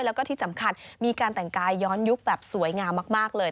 แล้วก็ที่สำคัญมีการแต่งกายย้อนยุคแบบสวยงามมากเลย